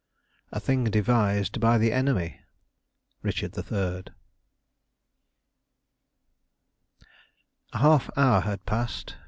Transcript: "A thing devised by the enemy." Richard III. A half hour had passed.